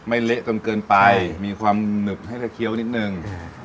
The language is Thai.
เละจนเกินไปมีความหนึบให้จะเคี้ยวนิดนึง